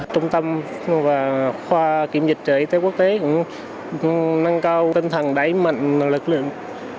trung tâm và khoa kiểm dịch trợ y tế quốc tế cũng nâng cao tinh thần đẩy mạnh lực lượng